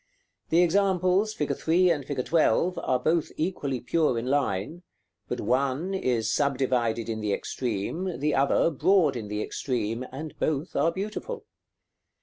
The examples, fig. 3. and fig. 12., are both equally pure in line; but one is subdivided in the extreme, the other broad in the extreme, and both are beautiful.